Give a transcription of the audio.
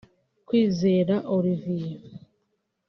Kwizera Olivier